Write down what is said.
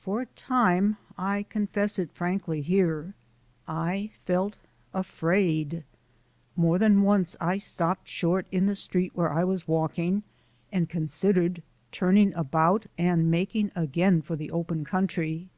For a time, I confess it frankly here, I felt afraid. More than once I stopped short in the street where I was walking, and considered turning about and making again for the open country.